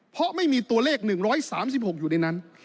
เพราะไม่มีตัวเลข๑๓๖อยู่ในนั้น